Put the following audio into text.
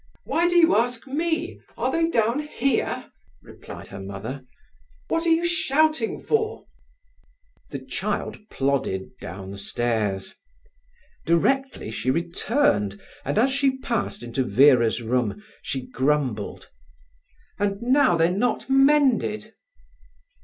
"Why do you ask me? Are they down here?" replied her mother. "What are you shouting for?" The child plodded downstairs. Directly she returned, and as she passed into Vera's room, she grumbled: "And now they're not mended."